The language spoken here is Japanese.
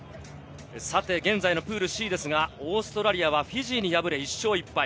現在のプールＣですが、オーストラリアはフィジーに敗れ１勝１敗。